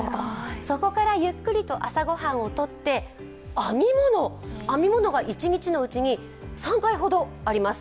そこからゆっくりと朝ごはんをとって編み物が一日のうちに３回ほどあります。